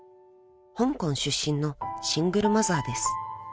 ［香港出身のシングルマザーです］